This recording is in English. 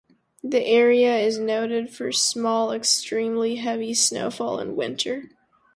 The area is noted for extremely heavy snowfall in winter.